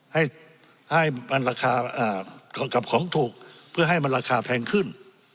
ให้มันราคากับของถูกเพื่อให้มันราคาแพงขึ้น